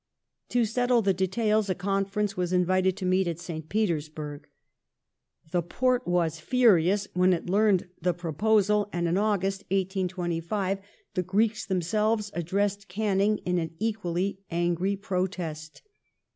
^ To settle the details a conference was invited to meet at St. Petei*s burg. The Porte was furious when it learnt the proposal, and in August, 1825, the Greeks themselves addressed Canning in an equally angry protest.